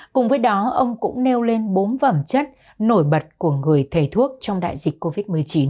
cùng với đó ông cũng nêu lên bốn phẩm chất nổi bật của người thầy thuốc trong đại dịch covid một mươi chín